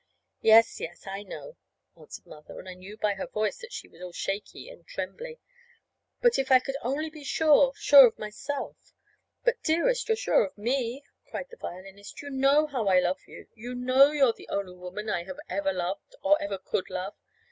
"Yes, yes, I know," answered Mother; and I knew by her voice that she was all shaky and trembly. "But if I could only be sure sure of myself." "But, dearest, you're sure of me!" cried the violinist. "You know how I love you. You know you're the only woman I have ever loved, or ever could love!"